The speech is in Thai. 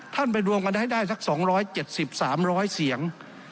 ไปรวมกันให้ได้สัก๒๗๓๐๐เสียง